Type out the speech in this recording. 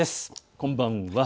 こんばんは。